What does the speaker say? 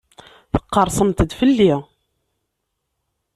Tqerrsemt-d fell-i.